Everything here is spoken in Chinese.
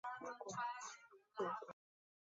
这期间学校的教学计划经历了多次改革。